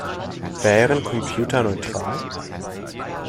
Wären Computer neutral?